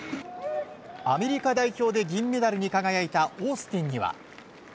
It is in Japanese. アメリカ代表で銀メダルに輝いたオースティンには。